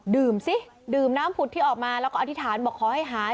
สิดื่มน้ำผุดที่ออกมาแล้วก็อธิษฐานบอกขอให้หาย